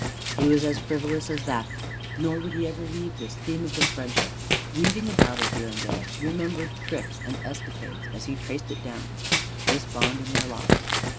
He was as frivolous as that. Nor would he ever leave this theme of their friendship, weaving about it here and there remembered tricks and escapades as he traced it down this bond in their lives.